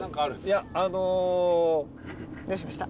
いやあのどうしました？